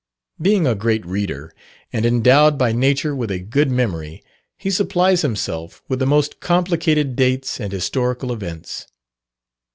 Being a great reader, and endowed by nature with a good memory, he supplies himself with the most complicated dates and historical events.